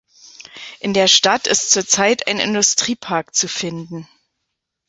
In der Stadt ist zurzeit ein Industriepark zu finden.